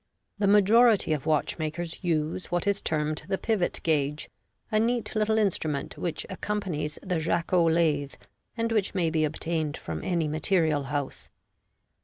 The majority of watchmakers use what is termed the pivot gauge, a neat little instrument which accompanies the Jacot lathe, and which may be obtained from any material house.